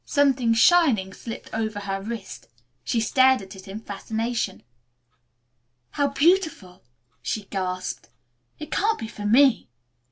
Something shining slipped over her wrist. She stared at it in fascination. "How beautiful!" she gasped. "It can't be for me!"